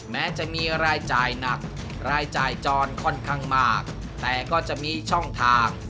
แม้จะมีรายจ่ายหนักรายจ่ายจรค่อนข้างมากแต่ก็จะมีช่องทาง